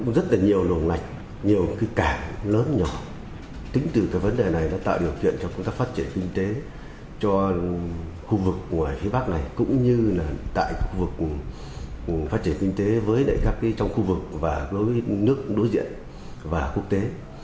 ngoài khu vực ngoài phía bắc này cũng như là tại khu vực phát triển kinh tế với đại các trong khu vực và nước đối diện và quốc tế